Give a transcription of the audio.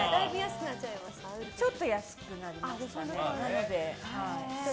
ちょっと安くなりましたね。